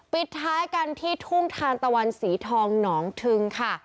ปิดท้ายกันที่ทุ่งทานตะวันสีทองหนองทึงค่ะ